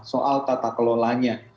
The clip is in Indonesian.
soal tata kelolanya